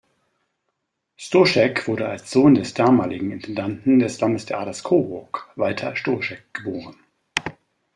Stoschek wurde als Sohn des damaligen Intendanten des Landestheaters Coburg Walter Stoschek geboren.